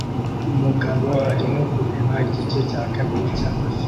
Umugabo arimo kureba igice cya kabiri cyamafi